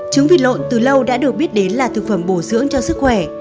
trứng vịt lộn từ lâu đã được biết đến là thực phẩm bổ dưỡng cho sức khỏe